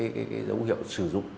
cái dấu hiệu sử dụng